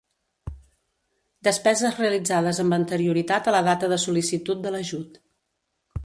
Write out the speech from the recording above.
Despeses realitzades amb anterioritat a la data de sol·licitud de l'ajut.